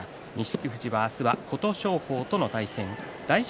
錦富士、明日は琴勝峰との対戦です。